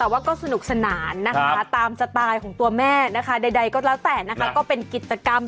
เออมันดูไม่ให้เกียรติฟุตซอลเลยครับ